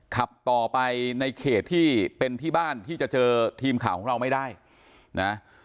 ขับต่อไปในเขตที่เป็นที่บ้านที่จะเจอทีมข่าวของเราไม่ได้นะ